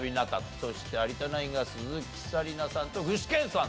そして有田ナインが鈴木紗理奈さんと具志堅さん。